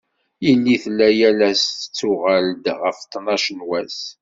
Yelli tella yal ass tettuɣal-d ɣef ṭnac n wass.